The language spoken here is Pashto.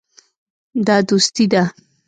دا دوستي ده.